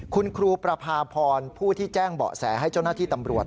คุณครูประพาพรผู้ที่แจ้งเบาะแสให้เจ้าหน้าที่ตำรวจ